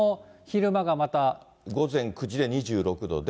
午前９時で２６度で。